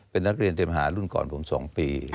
เป็นนักเรียนสมัครรุ่นก่อนผม๒ปี